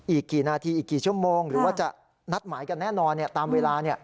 อีกกี่นาทีอีกกี่ชั่วโมงหรือว่าจะนัดหมายกันแน่นอนตามเวลา